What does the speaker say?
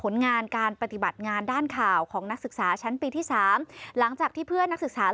ไม่โอเคนะ